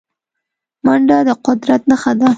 منډه د قدرت نښه ده